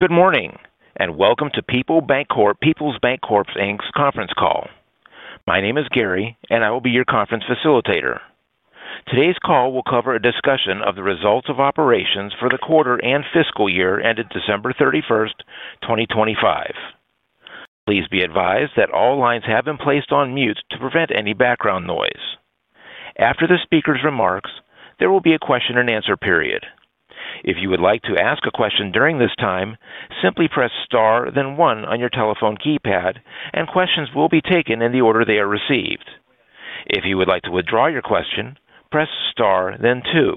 Good morning and welcome to Peoples Bancorp Inc.'s conference call. My name is Gary, and I will be your conference facilitator. Today's call will cover a discussion of the results of operations for the quarter and fiscal year ended December 31st, 2025. Please be advised that all lines have been placed on mute to prevent any background noise. After the speaker's remarks, there will be a question and answer period. If you would like to ask a question during this time, simply press star, then one on your telephone keypad, and questions will be taken in the order they are received. If you would like to withdraw your question, press star, then two.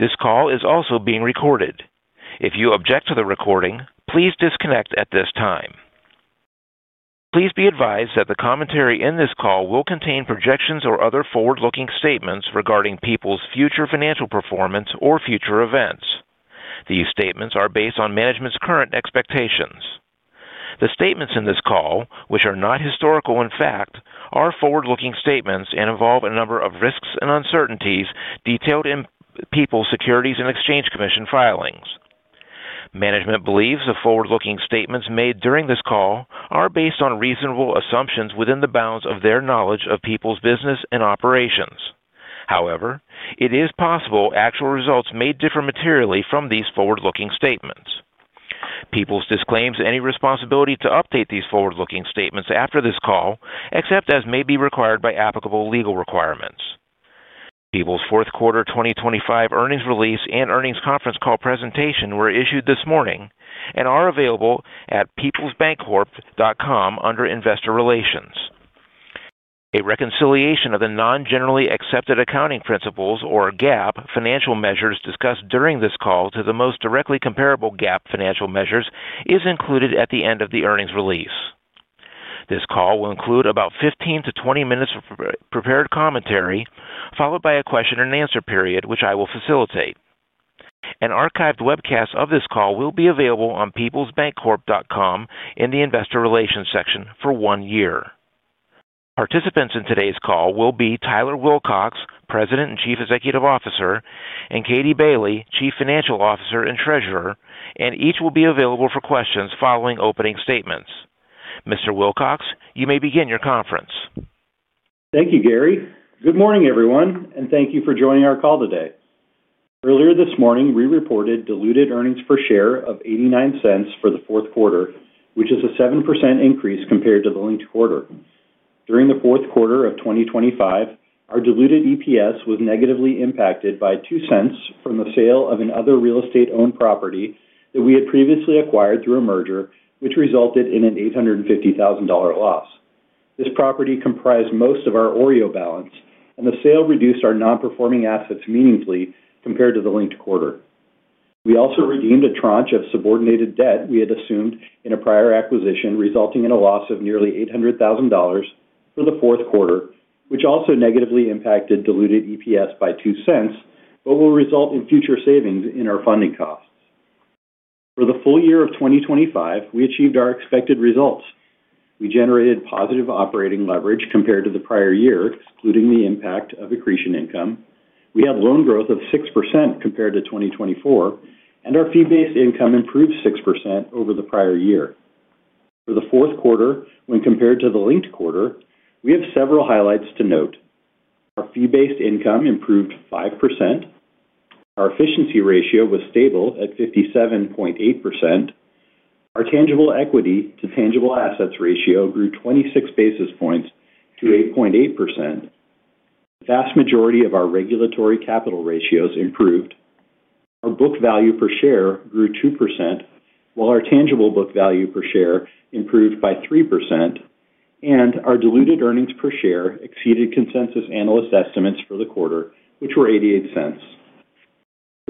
This call is also being recorded. If you object to the recording, please disconnect at this time. Please be advised that the commentary in this call will contain projections or other forward-looking statements regarding Peoples' future financial performance or future events. These statements are based on management's current expectations. The statements in this call, which are not historical in fact, are forward-looking statements and involve a number of risks and uncertainties detailed in Peoples' Securities and Exchange Commission filings. Management believes the forward-looking statements made during this call are based on reasonable assumptions within the bounds of their knowledge of Peoples' business and operations. However, it is possible actual results may differ materially from these forward-looking statements. Peoples disclaims any responsibility to update these forward-looking statements after this call, except as may be required by applicable legal requirements. Peoples Fourth Quarter 2025 earnings release and earnings conference call presentation were issued this morning and are available at peoplesbancorp.com under investor relations. A reconciliation of the non-generally accepted accounting principles, or GAAP, financial measures discussed during this call to the most directly comparable GAAP financial measures is included at the end of the earnings release. This call will include about 15minutes -20 minutes of prepared commentary, followed by a question and answer period, which I will facilitate. An archived webcast of this call will be available on peoplesbancorp.com in the investor relations section for one year. Participants in today's call will be Tyler Wilcox, President and Chief Executive Officer, and Katie Bailey, Chief Financial Officer and Treasurer, and each will be available for questions following opening statements. Mr. Wilcox, you may begin your conference. Thank you, Gary. Good morning, everyone, and thank you for joining our call today. Earlier this morning, we reported diluted earnings per share of $0.89 for the fourth quarter, which is a 7% increase compared to the linked quarter. During the fourth quarter of 2025, our diluted EPS was negatively impacted by $0.02 from the sale of another real estate-owned property that we had previously acquired through a merger, which resulted in an $850,000 loss. This property comprised most of our OREO balance, and the sale reduced our non-performing assets meaningfully compared to the linked quarter. We also redeemed a tranche of subordinated debt we had assumed in a prior acquisition, resulting in a loss of nearly $800,000 for the fourth quarter, which also negatively impacted diluted EPS by $0.02 but will result in future savings in our funding costs. For the full year of 2025, we achieved our expected results. We generated positive operating leverage compared to the prior year, excluding the impact of accretion income. We had loan growth of 6% compared to 2024, and our fee-based income improved 6% over the prior year. For the fourth quarter, when compared to the linked quarter, we have several highlights to note. Our fee-based income improved 5%. Our efficiency ratio was stable at 57.8%. Our tangible equity to tangible assets ratio grew 26 basis points to 8.8%. The vast majority of our regulatory capital ratios improved. Our book value per share grew 2%, while our tangible book value per share improved by 3%, and our diluted earnings per share exceeded consensus analyst estimates for the quarter, which were $0.88. For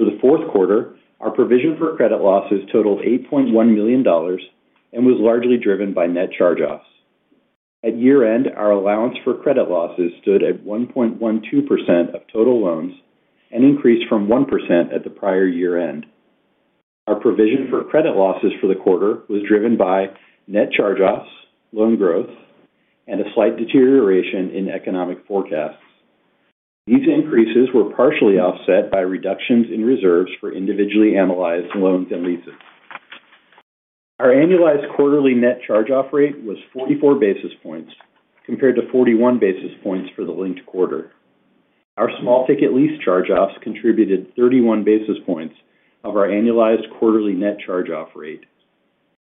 the fourth quarter, our provision for credit losses totaled $8.1 million and was largely driven by net charge-offs. At year-end, our allowance for credit losses stood at 1.12% of total loans and increased from 1% at the prior year-end. Our provision for credit losses for the quarter was driven by net charge-offs, loan growth, and a slight deterioration in economic forecasts. These increases were partially offset by reductions in reserves for individually analyzed loans and leases. Our annualized quarterly net charge-off rate was 44 basis points compared to 41 basis points for the linked quarter. Our small-ticket lease charge-offs contributed 31 basis points of our annualized quarterly net charge-off rate.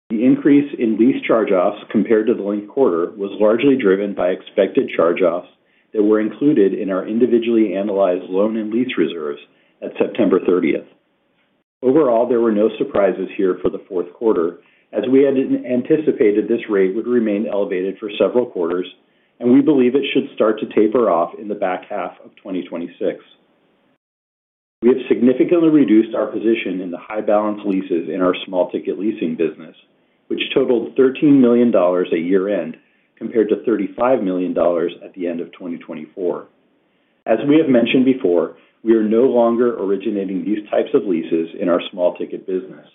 The increase in lease charge-offs compared to the linked quarter was largely driven by expected charge-offs that were included in our individually analyzed loan and lease reserves at September 30th. Overall, there were no surprises here for the fourth quarter, as we had anticipated this rate would remain elevated for several quarters, and we believe it should start to taper off in the back half of 2026. We have significantly reduced our position in the high-balance leases in our small-ticket leasing business, which totaled $13 million at year-end compared to $35 million at the end of 2024. As we have mentioned before, we are no longer originating these types of leases in our small-ticket business.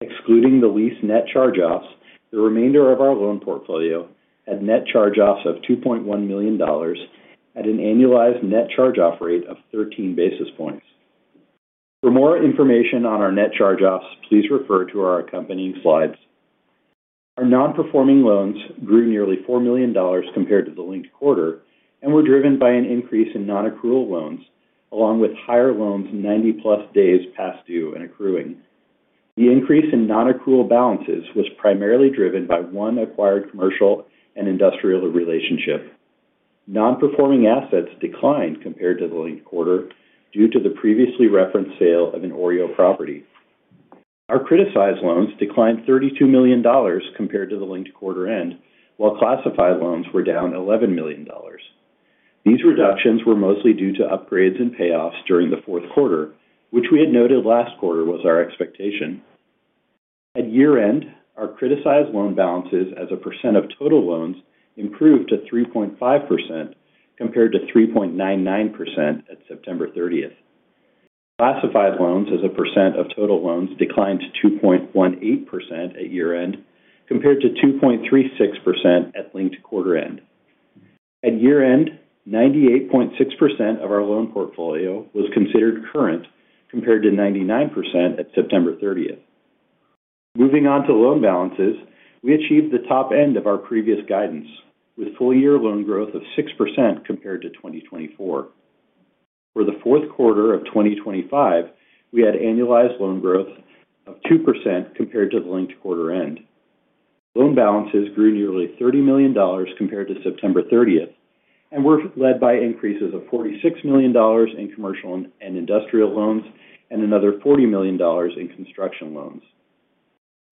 Excluding the lease net charge-offs, the remainder of our loan portfolio had net charge-offs of $2.1 million at an annualized net charge-off rate of 13 basis points. For more information on our net charge-offs, please refer to our accompanying slides. Our non-performing loans grew nearly $4 million compared to the linked quarter and were driven by an increase in non-accrual loans, along with higher loans 90-plus days past due and accruing. The increase in non-accrual balances was primarily driven by one acquired commercial and industrial relationship. Non-performing assets declined compared to the linked quarter due to the previously referenced sale of an OREO property. Our criticized loans declined $32 million compared to the linked quarter-end, while classified loans were down $11 million. These reductions were mostly due to upgrades and payoffs during the fourth quarter, which we had noted last quarter was our expectation. At year-end, our criticized loan balances as a percent of total loans improved to 3.5% compared to 3.99% at September 30th. Classified loans as a percent of total loans declined to 2.18% at year-end compared to 2.36% at linked quarter-end. At year-end, 98.6% of our loan portfolio was considered current compared to 99% at September 30th. Moving on to loan balances, we achieved the top end of our previous guidance, with full-year loan growth of 6% compared to 2024. For the fourth quarter of 2025, we had annualized loan growth of 2% compared to the linked quarter-end. Loan balances grew nearly $30 million compared to September 30th and were led by increases of $46 million in commercial and industrial loans and another $40 million in construction loans.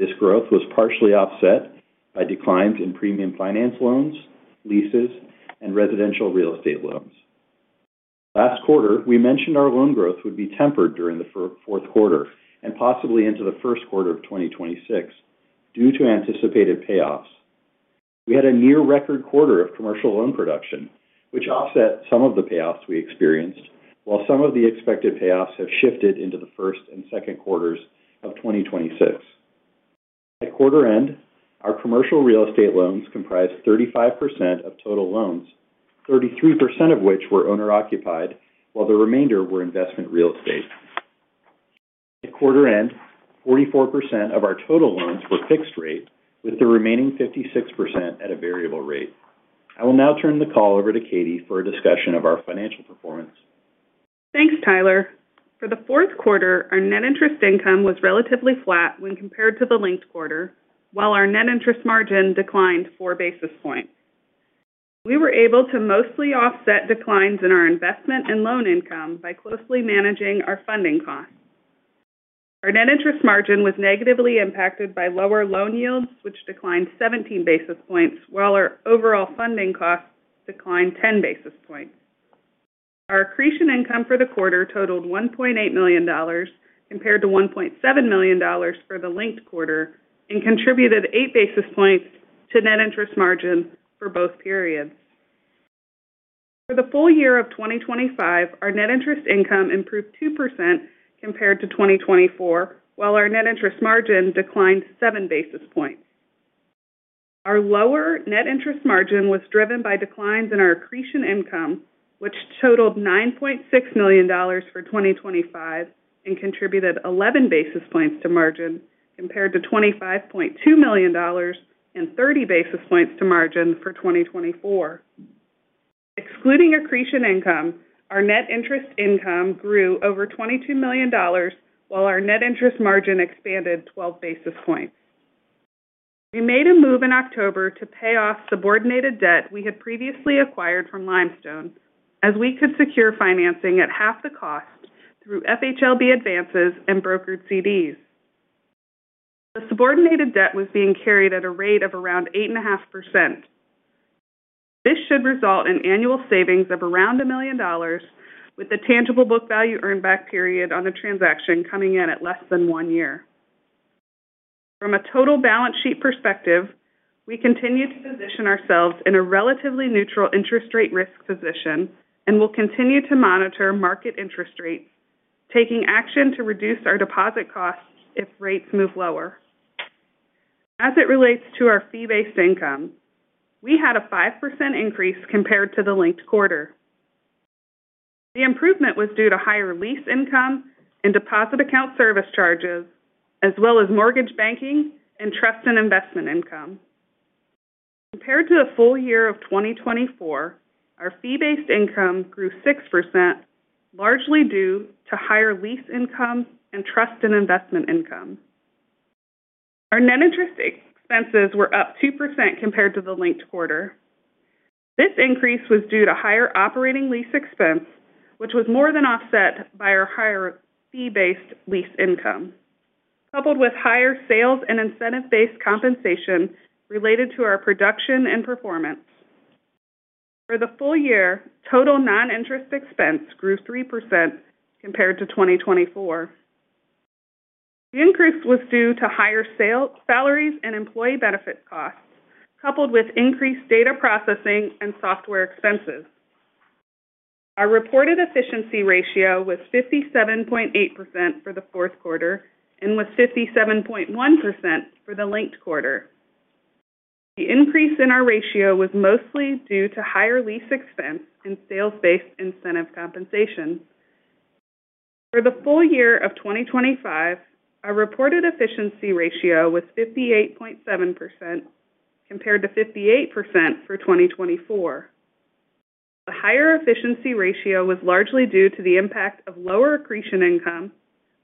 This growth was partially offset by declines in premium finance loans, leases, and residential real estate loans. Last quarter, we mentioned our loan growth would be tempered during the fourth quarter and possibly into the first quarter of 2026 due to anticipated payoffs. We had a near-record quarter of commercial loan production, which offset some of the payoffs we experienced, while some of the expected payoffs have shifted into the first and second quarters of 2026. At quarter-end, our commercial real estate loans comprised 35% of total loans, 33% of which were owner-occupied, while the remainder were investment real estate. At quarter-end, 44% of our total loans were fixed rate, with the remaining 56% at a variable rate. I will now turn the call over to Katie for a discussion of our financial performance. Thanks, Tyler. For the fourth quarter, our net interest income was relatively flat when compared to the linked quarter, while our net interest margin declined four basis points. We were able to mostly offset declines in our investment and loan income by closely managing our funding costs. Our net interest margin was negatively impacted by lower loan yields, which declined 17 basis points, while our overall funding costs declined 10 basis points. Our accretion income for the quarter totaled $1.8 million compared to $1.7 million for the linked quarter and contributed eight basis points to net interest margin for both periods. For the full year of 2025, our net interest income improved 2% compared to 2024, while our net interest margin declined seven basis points. Our lower net interest margin was driven by declines in our accretion income, which totaled $9.6 million for 2025 and contributed 11 basis points to margin compared to $25.2 million and 30 basis points to margin for 2024. Excluding accretion income, our net interest income grew over $22 million, while our net interest margin expanded 12 basis points. We made a move in October to pay off subordinated debt we had previously acquired from Limestone, as we could secure financing at half the cost through FHLB advances and brokered CDs. The subordinated debt was being carried at a rate of around 8.5%. This should result in annual savings of around $1 million, with the tangible book value earned back period on the transaction coming in at less than one year. From a total balance sheet perspective, we continue to position ourselves in a relatively neutral interest rate risk position and will continue to monitor market interest rates, taking action to reduce our deposit costs if rates move lower. As it relates to our fee-based income, we had a 5% increase compared to the linked quarter. The improvement was due to higher lease income and deposit account service charges, as well as mortgage banking and trust and investment income. Compared to the full year of 2024, our fee-based income grew 6%, largely due to higher lease income and trust and investment income. Our net interest expenses were up 2% compared to the linked quarter. This increase was due to higher operating lease expense, which was more than offset by our higher fee-based lease income, coupled with higher sales and incentive-based compensation related to our production and performance. For the full year, total non-interest expense grew 3% compared to 2024. The increase was due to higher salaries and employee benefits costs, coupled with increased data processing and software expenses. Our reported efficiency ratio was 57.8% for the fourth quarter and was 57.1% for the linked quarter. The increase in our ratio was mostly due to higher lease expense and sales-based incentive compensation. For the full year of 2025, our reported efficiency ratio was 58.7% compared to 58% for 2024. The higher efficiency ratio was largely due to the impact of lower accretion income,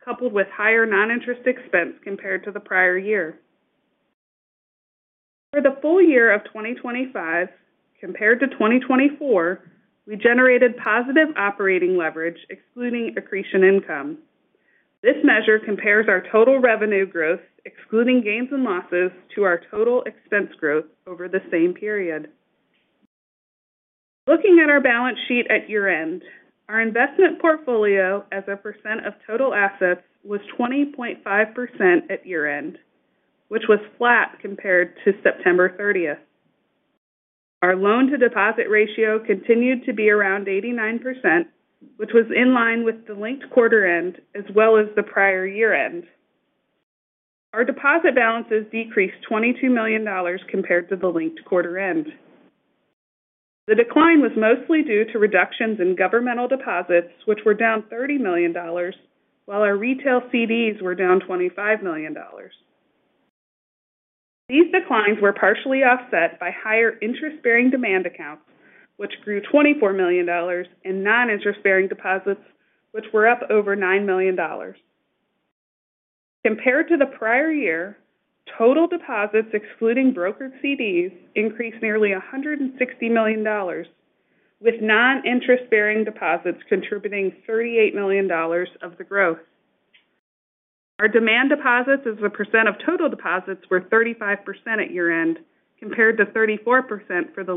coupled with higher non-interest expense compared to the prior year. For the full year of 2025, compared to 2024, we generated positive operating leverage, excluding accretion income. This measure compares our total revenue growth, excluding gains and losses, to our total expense growth over the same period. Looking at our balance sheet at year-end, our investment portfolio as a percent of total assets was 20.5% at year-end, which was flat compared to September 30th. Our loan-to-deposit ratio continued to be around 89%, which was in line with the linked quarter-end as well as the prior year-end. Our deposit balances decreased $22 million compared to the linked quarter-end. The decline was mostly due to reductions in governmental deposits, which were down $30 million, while our retail CDs were down $25 million. These declines were partially offset by higher interest-bearing demand accounts, which grew $24 million, and non-interest-bearing deposits, which were up over $9 million. Compared to the prior year, total deposits, excluding brokered CDs, increased nearly $160 million, with non-interest-bearing deposits contributing $38 million of the growth. Our demand deposits as a percent of total deposits were 35% at year-end compared to 34% for the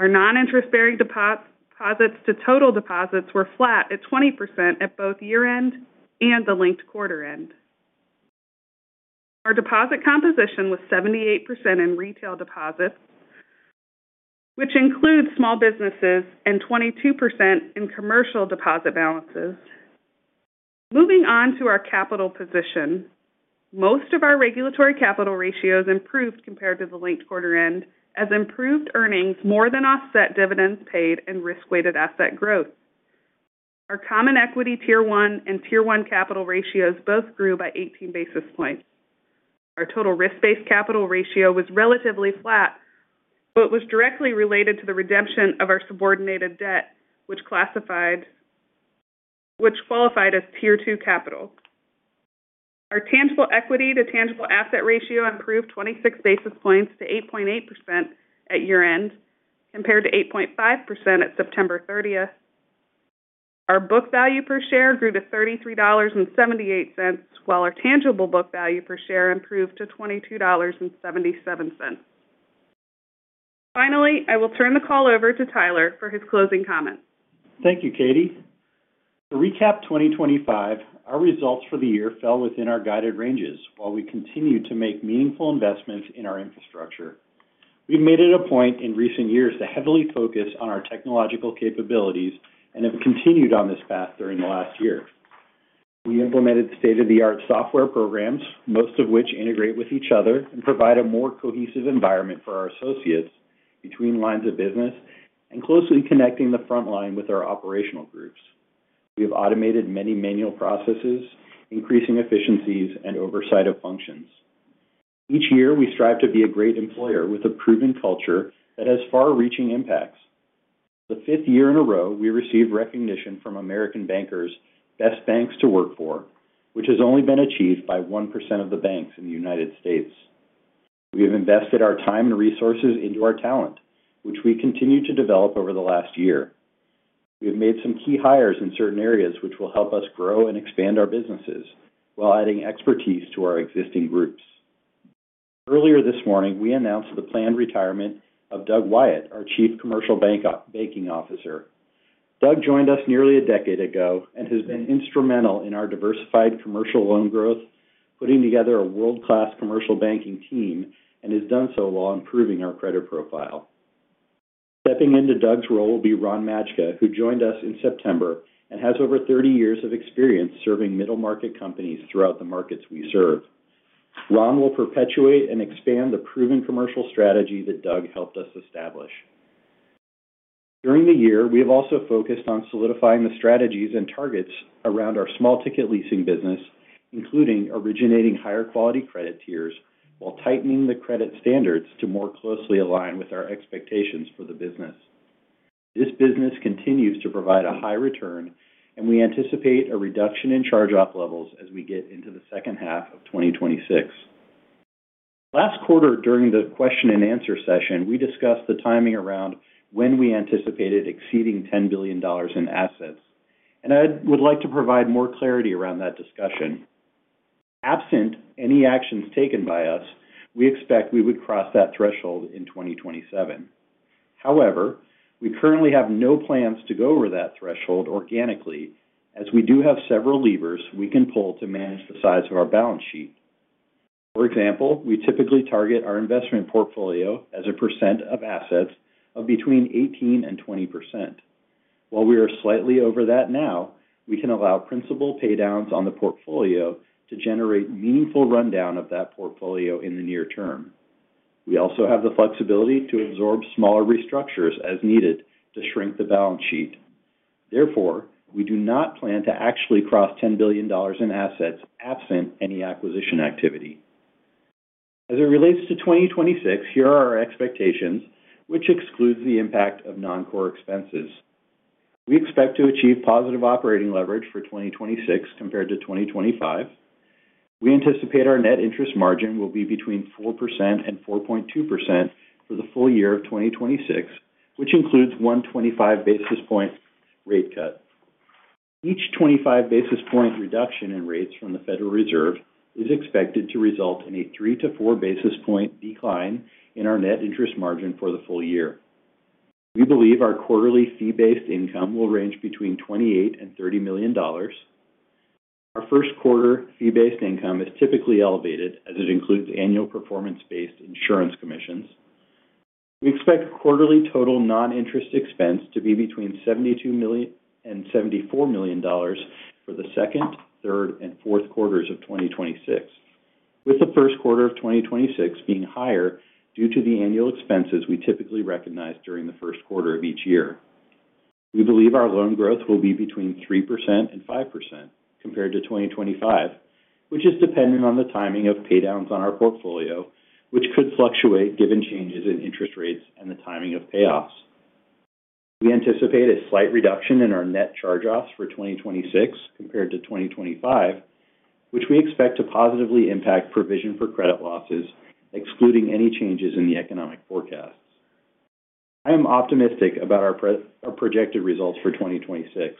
linked quarter-end. Our non-interest-bearing deposits to total deposits were flat at 20% at both year-end and the linked quarter-end. Our deposit composition was 78% in retail deposits, which includes small businesses, and 22% in commercial deposit balances. Moving on to our capital position, most of our regulatory capital ratios improved compared to the linked quarter-end, as improved earnings more than offset dividends paid and risk-weighted asset growth. Our common equity Tier 1 and Tier 1 capital ratios both grew by 18 basis points. Our total risk-based capital ratio was relatively flat, but was directly related to the redemption of our subordinated debt, which qualified as Tier 2 capital. Our tangible equity to tangible asset ratio improved 26 basis points to 8.8% at year-end compared to 8.5% at September 30th. Our book value per share grew to $33.78, while our tangible book value per share improved to $22.77. Finally, I will turn the call over to Tyler for his closing comments. Thank you, Katie. To recap 2025, our results for the year fell within our guided ranges while we continued to make meaningful investments in our infrastructure. We've made it a point in recent years to heavily focus on our technological capabilities and have continued on this path during the last year. We implemented state-of-the-art software programs, most of which integrate with each other and provide a more cohesive environment for our associates between lines of business and closely connecting the front line with our operational groups. We have automated many manual processes, increasing efficiencies and oversight of functions. Each year, we strive to be a great employer with a proven culture that has far-reaching impacts. For the fifth year in a row, we received recognition from American Banker's Best Banks to Work For, which has only been achieved by 1% of the banks in the United States. We have invested our time and resources into our talent, which we continue to develop over the last year. We have made some key hires in certain areas which will help us grow and expand our businesses while adding expertise to our existing groups. Earlier this morning, we announced the planned retirement of Doug Wyatt, our Chief Commercial Banking Officer. Doug joined us nearly a decade ago and has been instrumental in our diversified commercial loan growth, putting together a world-class commercial banking team and has done so while improving our credit profile. Stepping into Doug's role will be Ron Majka, who joined us in September and has over 30 years of experience serving middle market companies throughout the markets we serve. Ron will perpetuate and expand the proven commercial strategy that Doug helped us establish. During the year, we have also focused on solidifying the strategies and targets around our small-ticket leasing business, including originating higher-quality credit tiers while tightening the credit standards to more closely align with our expectations for the business. This business continues to provide a high return, and we anticipate a reduction in charge-off levels as we get into the second half of 2026. Last quarter, during the question-and-answer session, we discussed the timing around when we anticipated exceeding $10 billion in assets, and I would like to provide more clarity around that discussion. Absent any actions taken by us, we expect we would cross that threshold in 2027. However, we currently have no plans to go over that threshold organically, as we do have several levers we can pull to manage the size of our balance sheet. For example, we typically target our investment portfolio as a percent of assets of between 18 and 20%. While we are slightly over that now, we can allow principal paydowns on the portfolio to generate meaningful rundown of that portfolio in the near term. We also have the flexibility to absorb smaller restructures as needed to shrink the balance sheet. Therefore, we do not plan to actually cross $10 billion in assets absent any acquisition activity. As it relates to 2026, here are our expectations, which excludes the impact of non-core expenses. We expect to achieve positive operating leverage for 2026 compared to 2025. We anticipate our net interest margin will be between 4% and 4.2% for the full year of 2026, which includes one 25 basis point rate cut. Each 25-basis-point reduction in rates from the Federal Reserve is expected to result in a 3-4 basis points decline in our net interest margin for the full year. We believe our quarterly fee-based income will range between $28 million and $30 million. Our first quarter fee-based income is typically elevated, as it includes annual performance-based insurance commissions. We expect quarterly total non-interest expense to be between $72 million and $74 million for the second, third, and fourth quarters of 2026, with the first quarter of 2026 being higher due to the annual expenses we typically recognize during the first quarter of each year. We believe our loan growth will be between 3% and 5% compared to 2025, which is dependent on the timing of paydowns on our portfolio, which could fluctuate given changes in interest rates and the timing of payoffs. We anticipate a slight reduction in our net charge-offs for 2026 compared to 2025, which we expect to positively impact provision for credit losses, excluding any changes in the economic forecasts. I am optimistic about our projected results for 2026,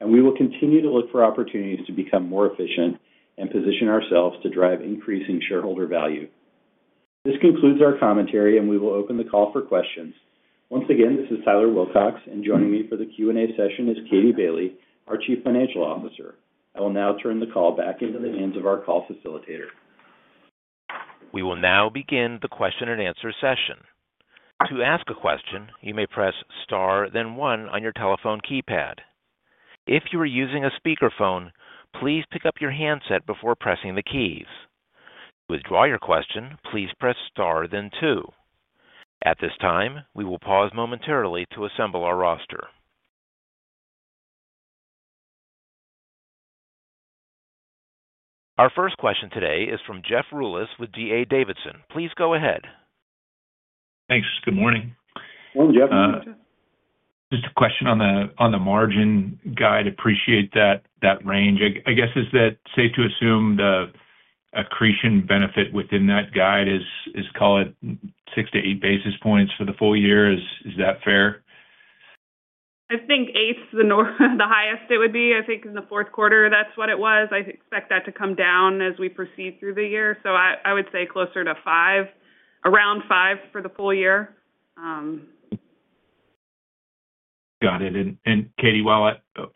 and we will continue to look for opportunities to become more efficient and position ourselves to drive increasing shareholder value. This concludes our commentary, and we will open the call for questions. Once again, this is Tyler Wilcox, and joining me for the Q&A session is Katie Bailey, our Chief Financial Officer. I will now turn the call back into the hands of our call facilitator. We will now begin the question-and-answer session. To ask a question, you may press star, then one on your telephone keypad. If you are using a speakerphone, please pick up your handset before pressing the keys. To withdraw your question, please press star, then two. At this time, we will pause momentarily to assemble our roster. Our first question today is from Jeff Rulis with D.A. Davidson. Please go ahead. Thanks. Good morning. Morning, Jeff. Just a question on the margin guide. Appreciate that range. I guess, is that safe to assume the accretion benefit within that guide is, call it, 6-8 basis points for the full year? Is that fair? I think eight's the highest it would be. I think in the fourth quarter, that's what it was. I expect that to come down as we proceed through the year, so I would say closer to five, around five for the full year. Got it, and Katie, while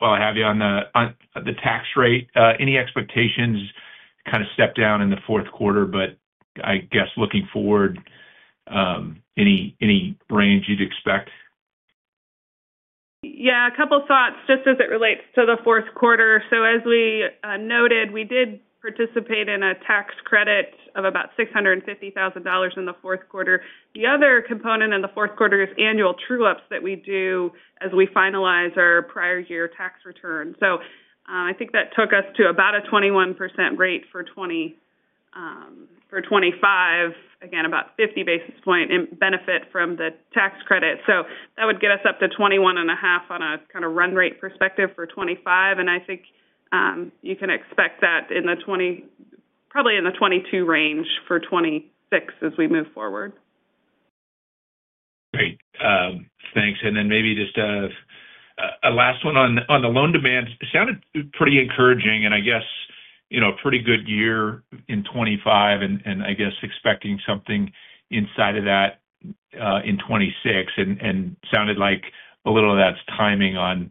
I have you on the tax rate, any expectations kind of step down in the fourth quarter, but I guess looking forward, any range you'd expect? Yeah, a couple of thoughts just as it relates to the fourth quarter. So as we noted, we did participate in a tax credit of about $650,000 in the fourth quarter. The other component in the fourth quarter is annual true-ups that we do as we finalize our prior year tax return. So I think that took us to about a 21% rate for 2025, again, about 50 basis points benefit from the tax credit. So that would get us up to 21.5% on a kind of run rate perspective for 2025, and I think you can expect that probably in the 22 range for 2026 as we move forward. Great. Thanks. And then maybe just a last one on the loan demands. Sounded pretty encouraging and, I guess, a pretty good year in 2025 and, I guess, expecting something inside of that in 2026 and sounded like a little of that's timing on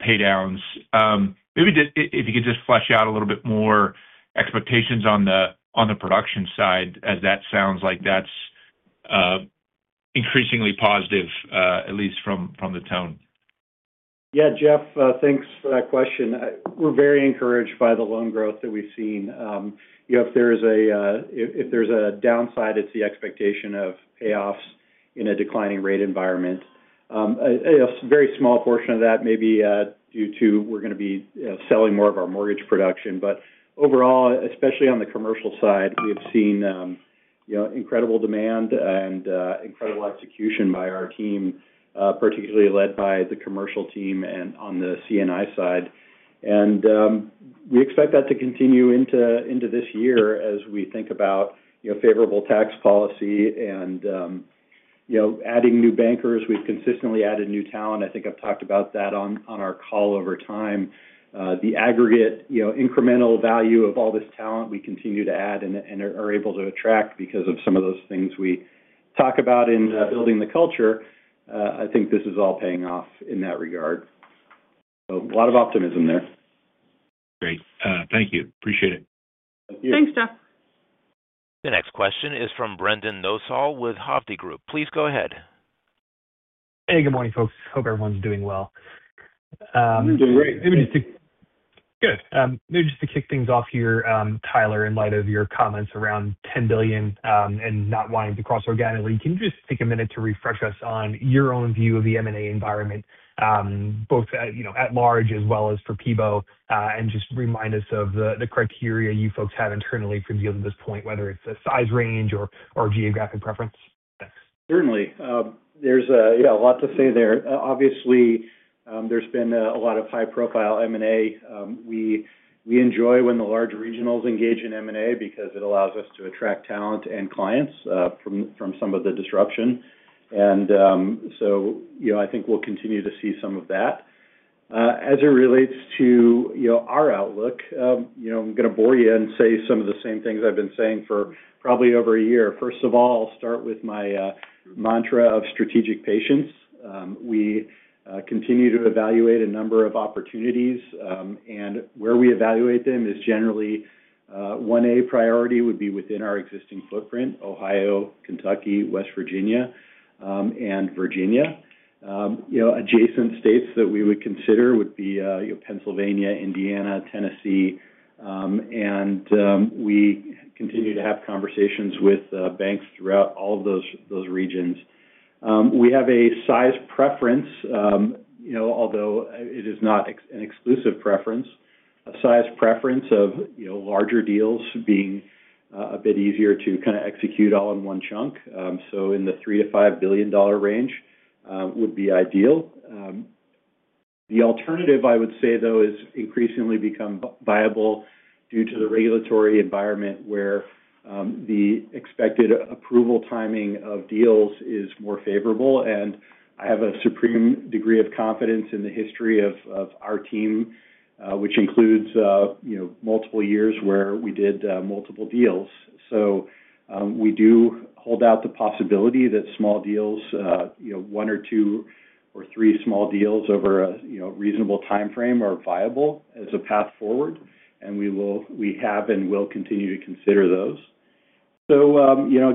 paydowns. Maybe if you could just flesh out a little bit more expectations on the production side, as that sounds like that's increasingly positive, at least from the tone? Yeah, Jeff, thanks for that question. We're very encouraged by the loan growth that we've seen. If there's a downside, it's the expectation of payoffs in a declining rate environment. A very small portion of that may be due to we're going to be selling more of our mortgage production. But overall, especially on the commercial side, we have seen incredible demand and incredible execution by our team, particularly led by the commercial team and on the C&I side. And we expect that to continue into this year as we think about favorable tax policy and adding new bankers. We've consistently added new talent. I think I've talked about that on our call over time. The aggregate incremental value of all this talent we continue to add and are able to attract because of some of those things we talk about in building the culture, I think this is all paying off in that regard. So a lot of optimism there. Great. Thank you. Appreciate it. Thank you. Thanks, Jeff. The next question is from Brendan Nosal with Hovde Group. Please go ahead. Hey, good morning, folks. Hope everyone's doing well. Doing great. Maybe just to. Good. Maybe just to kick things off here, Tyler, in light of your comments around $10 billion and not wanting to cross organically, can you just take a minute to refresh us on your own view of the M&A environment, both at large as well as for PEBO, and just remind us of the criteria you folks have internally for dealing with this point, whether it's a size range or geographic preference? Certainly. There's a lot to say there. Obviously, there's been a lot of high-profile M&A. We enjoy when the large regionals engage in M&A because it allows us to attract talent and clients from some of the disruption. And so I think we'll continue to see some of that. As it relates to our outlook, I'm going to bore you and say some of the same things I've been saying for probably over a year. First of all, I'll start with my mantra of strategic patience. We continue to evaluate a number of opportunities, and where we evaluate them is generally number one priority would be within our existing footprint: Ohio, Kentucky, West Virginia, and Virginia. Adjacent states that we would consider would be Pennsylvania, Indiana, Tennessee, and we continue to have conversations with banks throughout all of those regions. We have a size preference, although it is not an exclusive preference, a size preference of larger deals being a bit easier to kind of execute all in one chunk. So in the $3 billion -$5 billion range would be ideal. The alternative, I would say, though, is increasingly become viable due to the regulatory environment where the expected approval timing of deals is more favorable. And I have a supreme degree of confidence in the history of our team, which includes multiple years where we did multiple deals. So we do hold out the possibility that small deals, one or two or three small deals over a reasonable timeframe, are viable as a path forward, and we have and will continue to consider those.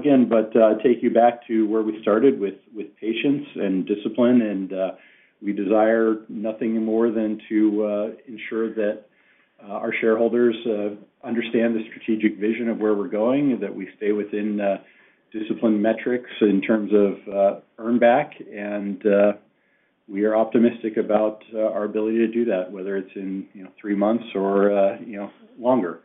Again, but to take you back to where we started with patience and discipline, and we desire nothing more than to ensure that our shareholders understand the strategic vision of where we're going and that we stay within discipline metrics in terms of earnback. We are optimistic about our ability to do that, whether it's in three months or longer.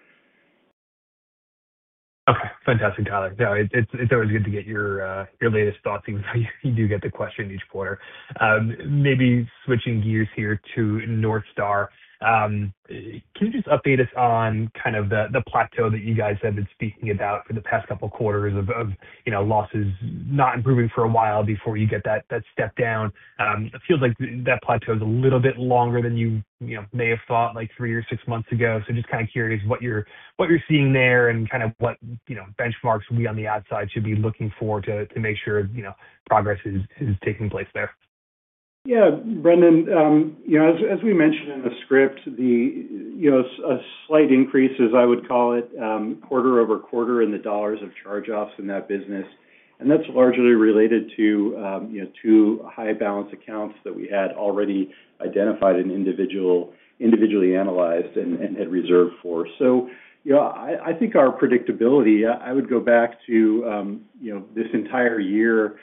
Okay. Fantastic, Tyler. It's always good to get your latest thoughts even though you do get the question each quarter. Maybe switching gears here to North Star, can you just update us on kind of the plateau that you guys have been speaking about for the past couple of quarters of losses not improving for a while before you get that step down? It feels like that plateau is a little bit longer than you may have thought three or six months ago. So just kind of curious what you're seeing there and kind of what benchmarks we on the outside should be looking for to make sure progress is taking place there. Yeah. Brendan, as we mentioned in the script, a slight increase, as I would call it, quarter over quarter in the dollars of charge-offs in that business. And that's largely related to two high-balance accounts that we had already identified and individually analyzed and had reserved for. So I think our predictability. I would go back to this entire year.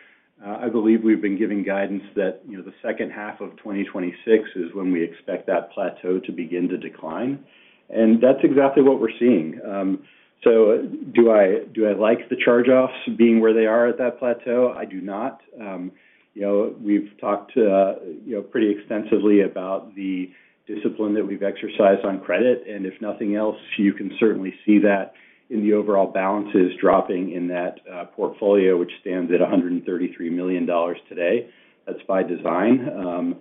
I believe we've been giving guidance that the second half of 2026 is when we expect that plateau to begin to decline. And that's exactly what we're seeing. So do I like the charge-offs being where they are at that plateau? I do not. We've talked pretty extensively about the discipline that we've exercised on credit. And if nothing else, you can certainly see that in the overall balances dropping in that portfolio, which stands at $133 million today. That's by design.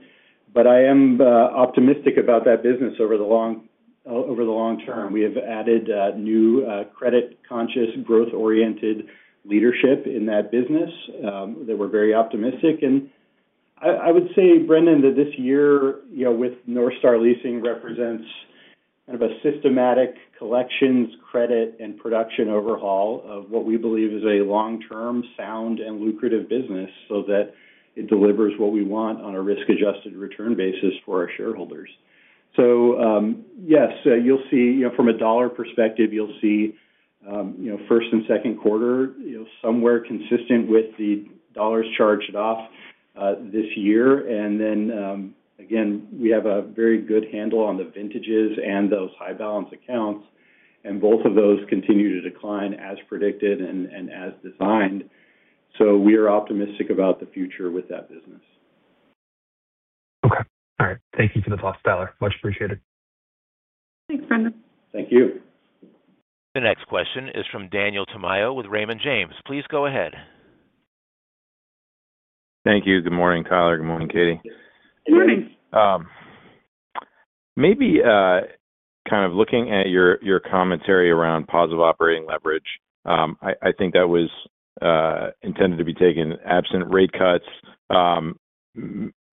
But I am optimistic about that business over the long term. We have added new credit-conscious, growth-oriented leadership in that business that we're very optimistic. And I would say, Brendan, that this year with North Star Leasing represents kind of a systematic collections, credit, and production overhaul of what we believe is a long-term, sound, and lucrative business so that it delivers what we want on a risk-adjusted return basis for our shareholders. So yes, you'll see from a dollar perspective, you'll see first and second quarter somewhere consistent with the dollars charged off this year. And then again, we have a very good handle on the vintages and those high-balance accounts, and both of those continue to decline as predicted and as designed. So we are optimistic about the future with that business. Okay. All right. Thank you for the thoughts, Tyler. Much appreciated. Thanks, Brendan. Thank you. The next question is from Daniel Tamayo with Raymond James. Please go ahead. Thank you. Good morning, Tyler. Good morning, Katie. Good morning. Maybe kind of looking at your commentary around positive operating leverage, I think that was intended to be taken absent rate cuts.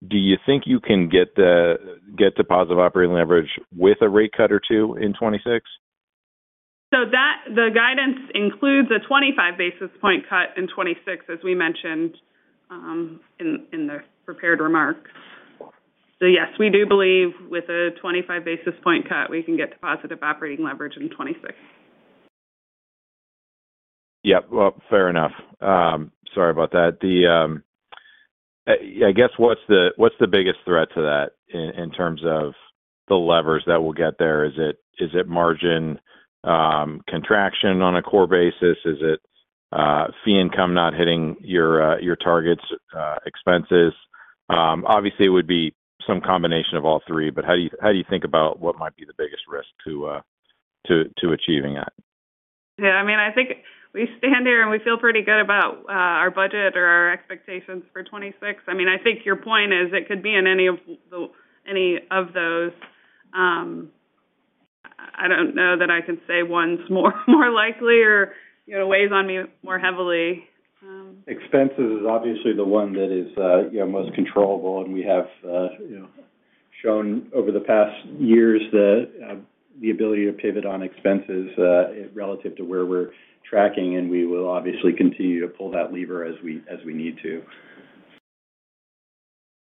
Do you think you can get to positive operating leverage with a rate cut or two in 2026? So the guidance includes a 25 basis point cut in 2026, as we mentioned in the prepared remarks. So yes, we do believe with a 25 basis point cut, we can get to positive operating leverage in 2026. Yep. Well, fair enough. Sorry about that. I guess what's the biggest threat to that in terms of the levers that we'll get there? Is it margin contraction on a core basis? Is it fee income not hitting your targets, expenses? Obviously, it would be some combination of all three, but how do you think about what might be the biggest risk to achieving that? Yeah. I mean, I think we stand here and we feel pretty good about our budget or our expectations for 2026. I mean, I think your point is it could be in any of those. I don't know that I can say one's more likely or weighs on me more heavily. Expenses is obviously the one that is most controllable, and we have shown over the past years the ability to pivot on expenses relative to where we're tracking, and we will obviously continue to pull that lever as we need to.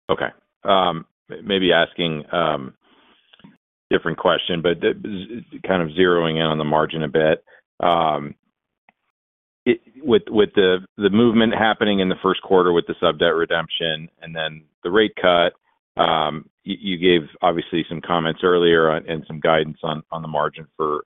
Okay. Maybe asking a different question, but kind of zeroing in on the margin a bit. With the movement happening in the first quarter with the sub-debt redemption and then the rate cut, you gave obviously some comments earlier and some guidance on the margin for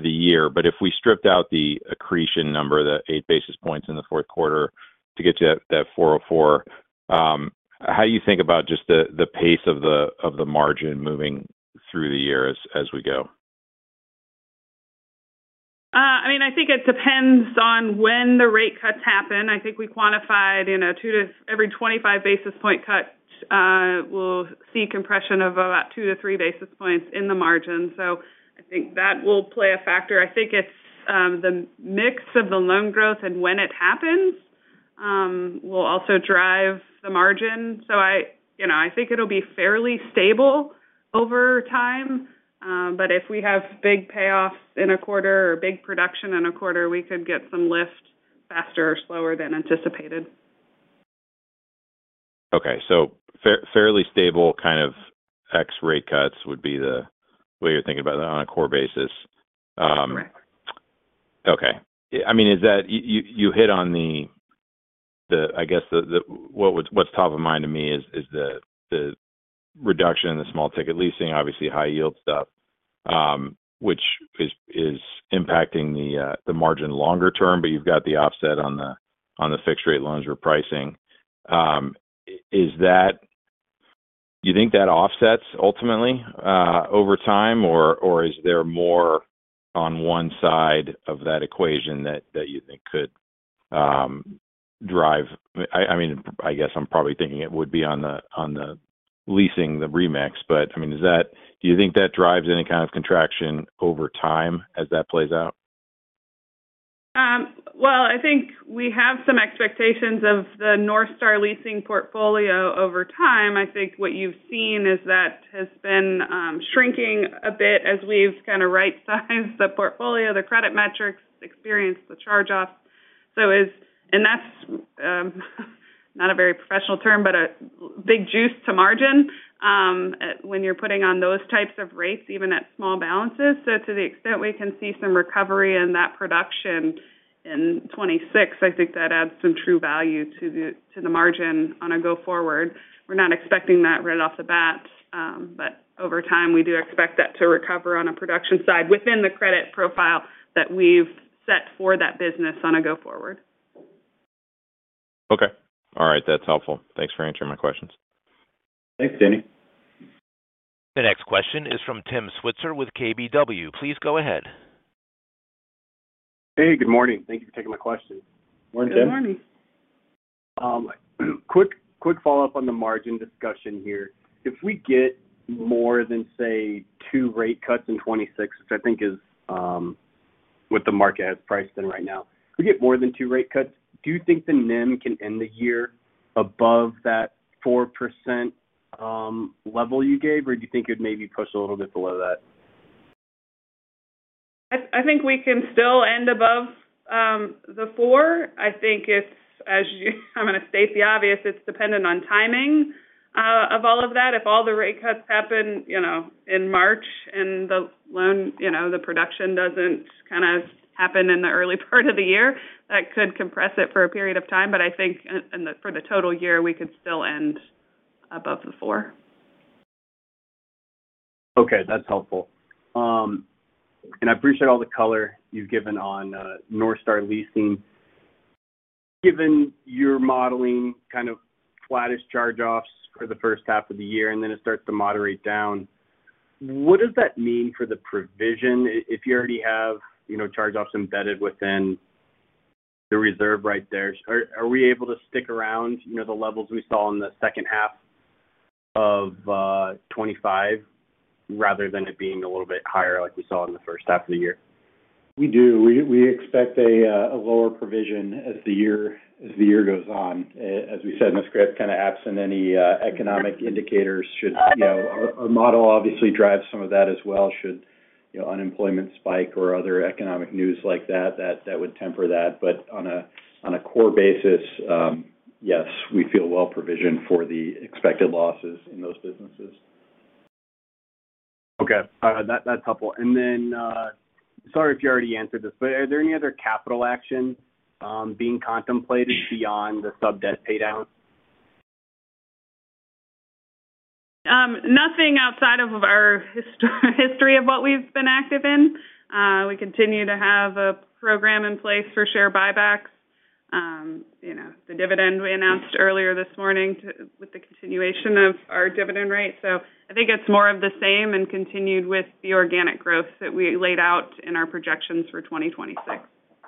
the year. But if we stripped out the accretion number, the eight basis points in the fourth quarter to get to that 404, how do you think about just the pace of the margin moving through the year as we go? I mean, I think it depends on when the rate cuts happen. I think we quantified every 25-basis-point cut, we'll see compression of about two-to-three basis points in the margin. So I think that will play a factor. I think it's the mix of the loan growth and when it happens will also drive the margin. So I think it'll be fairly stable over time. But if we have big payoffs in a quarter or big production in a quarter, we could get some lift faster or slower than anticipated. Okay. So, fairly stable kind of Fed rate cuts would be the way you're thinking about that on a core basis? Correct. Okay. I mean, you hit on the, I guess, what's top of mind to me is the reduction in the small ticket leasing, obviously high yield stuff, which is impacting the margin longer term, but you've got the offset on the fixed rate loans we're pricing. Do you think that offsets ultimately over time, or is there more on one side of that equation that you think could drive? I mean, I guess I'm probably thinking it would be on the leasing, the remix. But I mean, do you think that drives any kind of contraction over time as that plays out? I think we have some expectations of the Northstar Leasing portfolio over time. I think what you've seen is that has been shrinking a bit as we've kind of right-sized the portfolio, the credit metrics, experience, the charge-offs, and that's not a very professional term, but a big juice to margin when you're putting on those types of rates, even at small balances, so to the extent we can see some recovery in that production in 2026, I think that adds some true value to the margin on a go-forward. We're not expecting that right off the bat, but over time, we do expect that to recover on a production side within the credit profile that we've set for that business on a go-forward. Okay. All right. That's helpful. Thanks for answering my questions. Thanks, Danny. The next question is from Tim Switzer with KBW. Please go ahead. Hey, good morning. Thank you for taking my question. Morning, Tim. Good morning. Quick follow-up on the margin discussion here. If we get more than, say, two rate cuts in 2026, which I think is what the market has priced in right now, if we get more than two rate cuts, do you think the NIM can end the year above that 4% level you gave, or do you think it would maybe push a little bit below that? I think we can still end above the four. I think, as I'm going to state the obvious, it's dependent on timing of all of that. If all the rate cuts happen in March and the production doesn't kind of happen in the early part of the year, that could compress it for a period of time. But I think for the total year, we could still end above the four. Okay. That's helpful, and I appreciate all the color you've given on Northstar Leasing. Given your modeling kind of flattest charge-offs for the first half of the year, and then it starts to moderate down, what does that mean for the provision if you already have charge-offs embedded within the reserve right there? Are we able to stick around the levels we saw in the second half of 2025 rather than it being a little bit higher like we saw in the first half of the year? We do. We expect a lower provision as the year goes on. As we said, [Moody's risk grade] is kind of absent. Any economic indicators should our model obviously drives some of that as well. Should unemployment spike or other economic news like that, that would temper that. But on a core basis, yes, we feel well provisioned for the expected losses in those businesses. Okay. That's helpful. And then, sorry if you already answered this, but are there any other capital actions being contemplated beyond the sub-debt paydown? Nothing outside of our history of what we've been active in. We continue to have a program in place for share buybacks, the dividend we announced earlier this morning with the continuation of our dividend rate. So I think it's more of the same and continued with the organic growth that we laid out in our projections for 2026.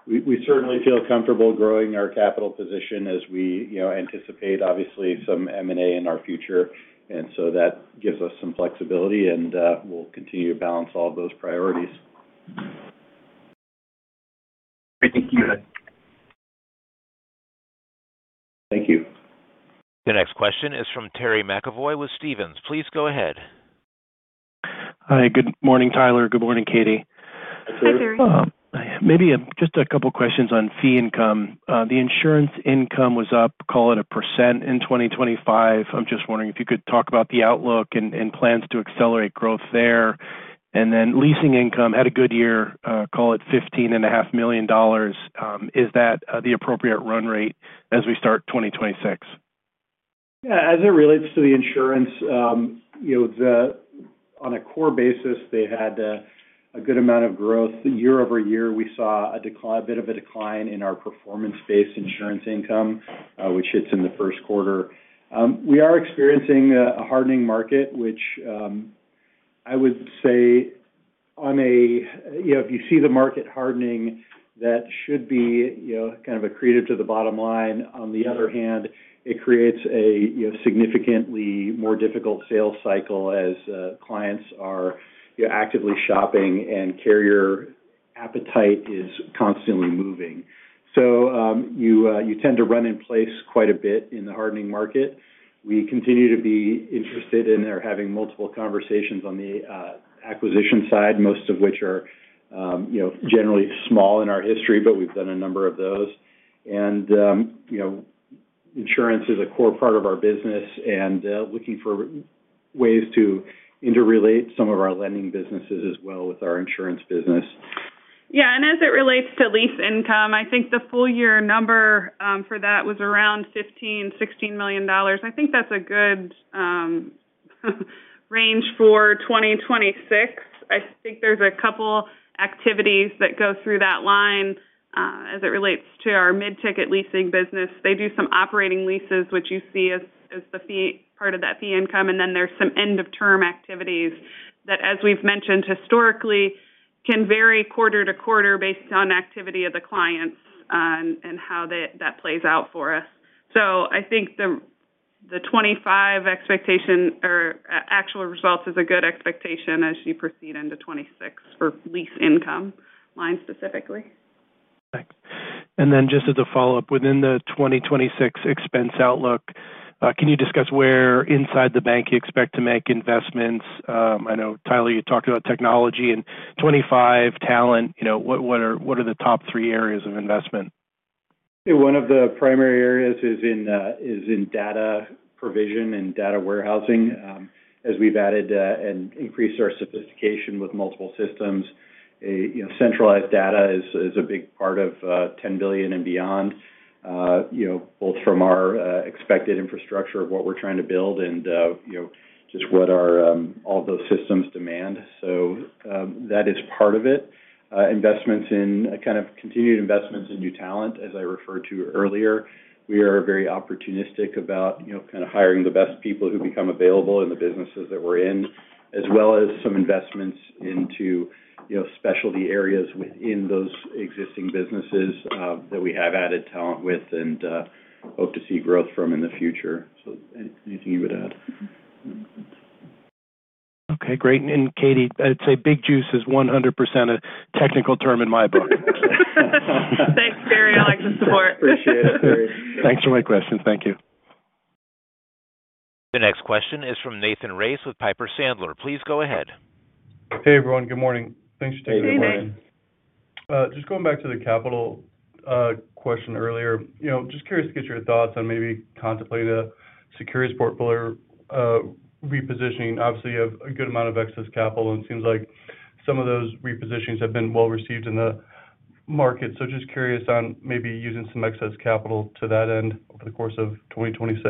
We certainly feel comfortable growing our capital position as we anticipate, obviously, some M&A in our future. And so that gives us some flexibility, and we'll continue to balance all of those priorities. Great. Thank you. Thank you. The next question is from Terry McEvoy with Stephens. Please go ahead. Hi. Good morning, Tyler. Good morning, Katie. Hi, Terry. Maybe just a couple of questions on fee income. The insurance income was up, call it 1% in 2025. I'm just wondering if you could talk about the outlook and plans to accelerate growth there. Then leasing income had a good year, call it $15.5 million. Is that the appropriate run rate as we start 2026? Yeah. As it relates to the insurance, on a core basis, they had a good amount of growth. Year-over-year, we saw a bit of a decline in our performance-based insurance income, which hits in the first quarter. We are experiencing a hardening market, which I would say on a if you see the market hardening, that should be kind of an accretive to the bottom line. On the other hand, it creates a significantly more difficult sales cycle as clients are actively shopping and carrier appetite is constantly moving. So you tend to run in place quite a bit in the hardening market. We continue to be interested in or having multiple conversations on the acquisition side, most of which are generally small in our history, but we've done a number of those. And insurance is a core part of our business, and looking for ways to interrelate some of our lending businesses as well with our insurance business. Yeah. And as it relates to lease income, I think the full year number for that was around $15 million-$16 million. I think that's a good range for 2026. I think there's a couple of activities that go through that line as it relates to our mid-ticket leasing business. They do some operating leases, which you see as the part of that fee income. And then there's some end-of-term activities that, as we've mentioned historically, can vary quarter to quarter based on activity of the clients and how that plays out for us. So I think the 2025 expectation or actual results is a good expectation as you proceed into 2026 for lease income line specifically. Thanks. And then just as a follow-up, within the 2026 expense outlook, can you discuss where inside the bank you expect to make investments? I know, Tyler, you talked about technology. In 2025, talent, what are the top three areas of investment? One of the primary areas is in data provision and data warehousing as we've added and increased our sophistication with multiple systems. Centralized data is a big part of 10 billion and beyond, both from our expected infrastructure of what we're trying to build and just what all those systems demand. So that is part of it. Investments in kind of continued investments in new talent, as I referred to earlier. We are very opportunistic about kind of hiring the best people who become available in the businesses that we're in, as well as some investments into specialty areas within those existing businesses that we have added talent with and hope to see growth from in the future. So anything you would add? Okay. Great, and Katie, I'd say big juice is 100% a technical term in my book. Thanks, Terry. I like the support. Appreciate it, Terry. Thanks for my questions. Thank you. The next question is from Nathan Race with Piper Sandler. Please go ahead. Hey, everyone. Good morning. Thanks for taking the time. Hey, Nate. Just going back to the capital question earlier, just curious to get your thoughts on maybe contemplating a securities portfolio repositioning. Obviously, you have a good amount of excess capital, and it seems like some of those repositionings have been well received in the market. So just curious on maybe using some excess capital to that end over the course of 2026.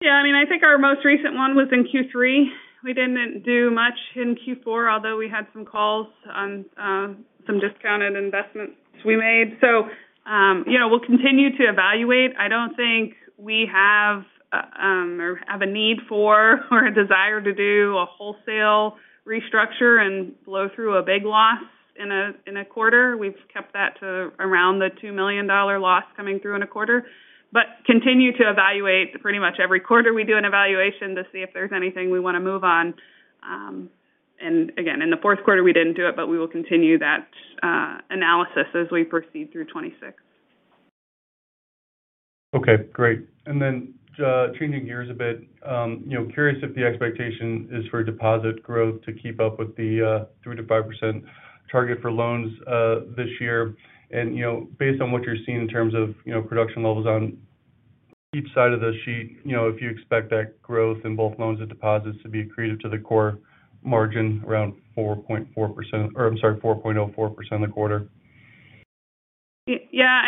Yeah. I mean, I think our most recent one was in Q3. We didn't do much in Q4, although we had some calls on some discounted investments we made. So we'll continue to evaluate. I don't think we have or have a need for or a desire to do a wholesale restructure and blow through a big loss in a quarter. We've kept that to around the $2 million loss coming through in a quarter, but continue to evaluate. Pretty much every quarter, we do an evaluation to see if there's anything we want to move on. And again, in the fourth quarter, we didn't do it, but we will continue that analysis as we proceed through 2026. Okay. Great. And then changing gears a bit, curious if the expectation is for deposit growth to keep up with the 3%-5% target for loans this year? And based on what you're seeing in terms of production levels on each side of the sheet, if you expect that growth in both loans and deposits to be accretive to the core margin around 4.4% or, I'm sorry, 4.04% of the quarter? Yeah.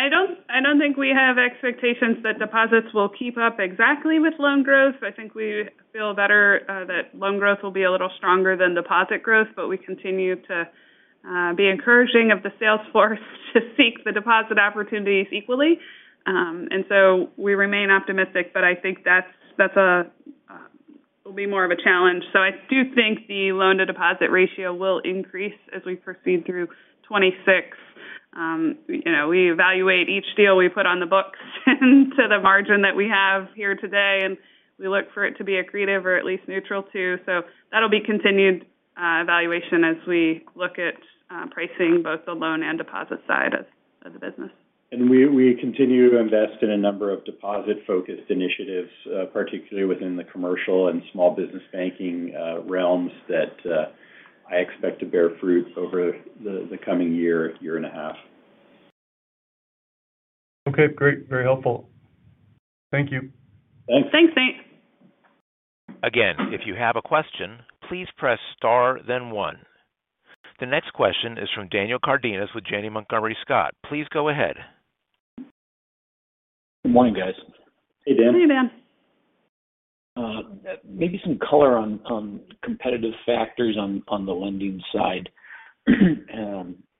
I don't think we have expectations that deposits will keep up exactly with loan growth. I think we feel better that loan growth will be a little stronger than deposit growth, but we continue to be encouraging of the salesforce to seek the deposit opportunities equally. And so we remain optimistic, but I think that will be more of a challenge. So I do think the loan-to-deposit ratio will increase as we proceed through 2026. We evaluate each deal we put on the books into the margin that we have here today, and we look for it to be accretive or at least neutral too. So that'll be continued evaluation as we look at pricing both the loan and deposit side of the business. We continue to invest in a number of deposit-focused initiatives, particularly within the commercial and small business banking realms that I expect to bear fruit over the coming year and a half. Okay. Great. Very helpful. Thank you. Thanks. Thanks, Nate. Again, if you have a question, please press star, then one. The next question is from Daniel Cardenas with Janney Montgomery Scott. Please go ahead. Good morning, guys. Hey, Dan. Hey, Dan. Maybe some color on competitive factors on the lending side.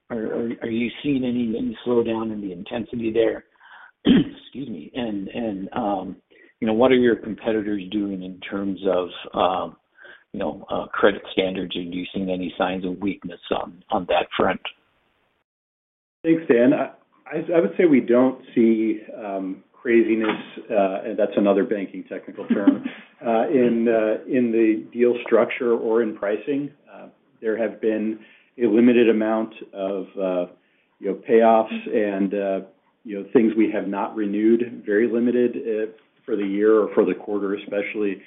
Are you seeing any slowdown in the intensity there? Excuse me. And what are your competitors doing in terms of credit standards? And do you see any signs of weakness on that front? Thanks, Dan. I would say we don't see craziness, and that's another banking technical term, in the deal structure or in pricing. There have been a limited amount of payoffs and things we have not renewed, very limited for the year or for the quarter, especially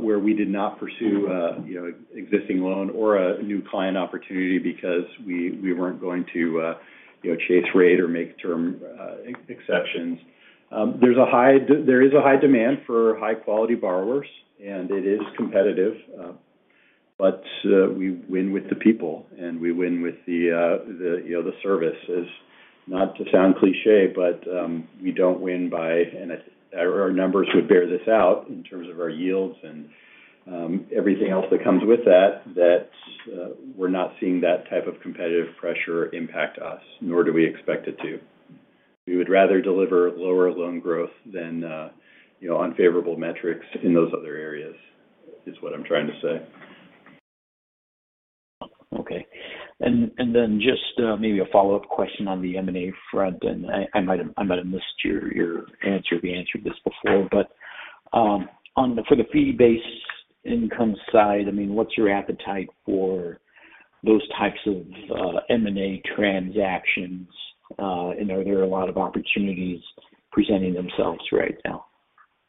where we did not pursue an existing loan or a new client opportunity because we weren't going to chase rate or make term exceptions. There is a high demand for high-quality borrowers, and it is competitive. But we win with the people, and we win with the service. Not to sound cliché, but we don't win by our numbers would bear this out in terms of our yields and everything else that comes with that, that we're not seeing that type of competitive pressure impact us, nor do we expect it to. We would rather deliver lower loan growth than unfavorable metrics in those other areas is what I'm trying to say. Okay. And then just maybe a follow-up question on the M&A front. And I might have missed your answer. We answered this before. But for the fee-based income side, I mean, what's your appetite for those types of M&A transactions? And are there a lot of opportunities presenting themselves right now?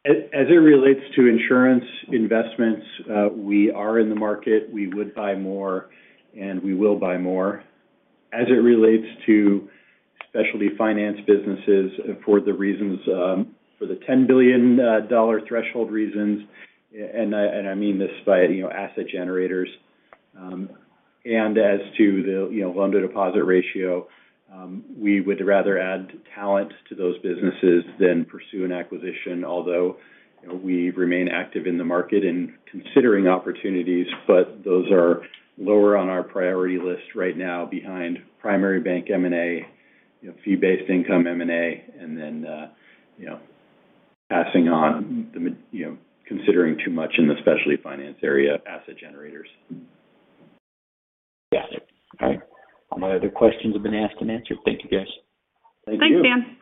As it relates to insurance investments, we are in the market. We would buy more, and we will buy more. As it relates to specialty finance businesses for the reasons for the $10 billion threshold reasons, and I mean this by asset generators. And as to the loan-to-deposit ratio, we would rather add talent to those businesses than pursue an acquisition, although we remain active in the market and considering opportunities. But those are lower on our priority list right now behind primary bank M&A, fee-based income M&A, and then passing on considering too much in the specialty finance area, asset generators. Got it. All right. All my other questions have been asked and answered. Thank you, guys. Thank you. Thanks, Dan.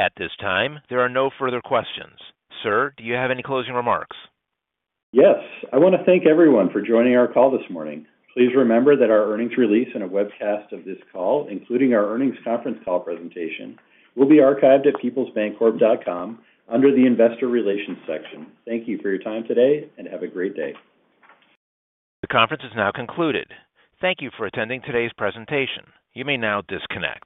At this time, there are no further questions. Sir, do you have any closing remarks? Yes. I want to thank everyone for joining our call this morning. Please remember that our earnings release and a webcast of this call, including our earnings conference call presentation, will be archived at peoplesbancorp.com under the investor relations section. Thank you for your time today, and have a great day. The conference is now concluded. Thank you for attending today's presentation. You may now disconnect.